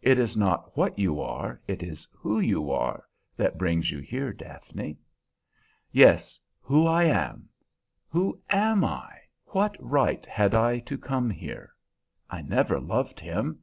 "It is not what you are, it is who you are, that brings you here, Daphne." "Yes, who I am! Who am I? What right had I to come here? I never loved him.